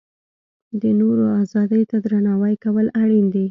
د نورو ازادۍ ته درناوی کول اړین دي.